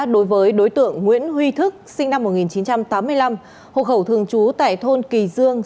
đối với đối tượng nguyễn huy thức sinh năm một nghìn chín trăm tám mươi năm hộ khẩu thường trú tại thôn kỳ dương